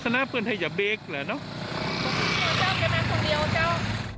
เจ้าเป็นแม่คนเดียวเจ้า